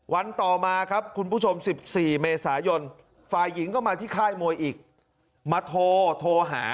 วันต่อมาครับคุณผู้ชม๑๔เมษายนฝ่ายหญิงก็มาที่ค่ายมวยอีกมาโทรหา